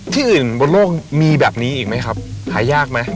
ที่อื่นบนโลกมีแบบนี้อีกไหมครับหายากไหม